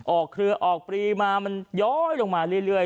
เครือออกปรีมามันย้อยลงมาเรื่อย